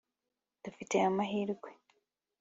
dufite amahirwe